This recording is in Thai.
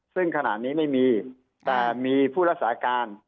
ซึ่งขณะนี้ไม่มีแต่มีผู้รักษาการ